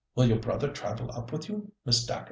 Will your brother travel up with you, Miss Dacre?"